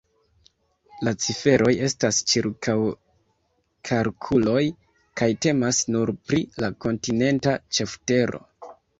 La ciferoj estas ĉirkaŭkalkuloj kaj temas nur pri la kontinenta ĉeftero.